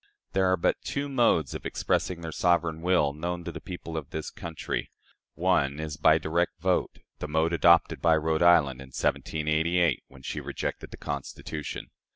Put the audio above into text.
There are but two modes of expressing their sovereign will known to the people of this country. One is by direct vote the mode adopted by Rhode Island in 1788, when she rejected the Constitution.